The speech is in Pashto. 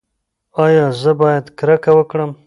ایا زه باید کرکه وکړم؟